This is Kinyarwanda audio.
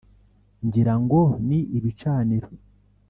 Ngirango ni ibicaniro: